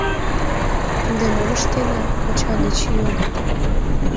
— Ынде мом ыштена? — коча деч йодыт.